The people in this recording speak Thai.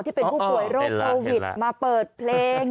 ที่เป็นผู้ป่วยโรคโควิดมาเปิดเพลง